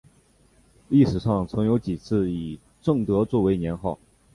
历史上曾有几次以正德作为年号。